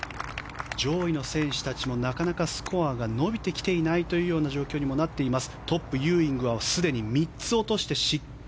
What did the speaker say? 上位の選手たちもなかなかスコアが伸びてきていない状況にもなっています。